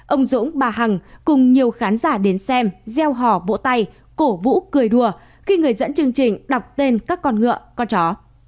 ông dũng bà hằng cùng nhiều khán giả đến xem gieo hò vỗ tay cổ vũ cười đùa khi người dẫn chương trình đọc tên các con ngựa con chó